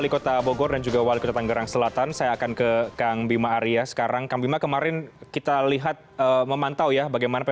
kami akan segera kembali sesaat lain